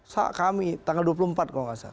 saat kami tanggal dua puluh empat kalau nggak salah